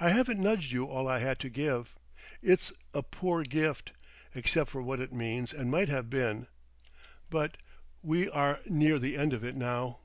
I haven't nudged you all I had to give. It's a poor gift—except for what it means and might have been. But we are near the end of it now."